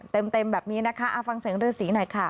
เต็มแบบนี้นะคะเอาฟังเสียงฤษีหน่อยค่ะ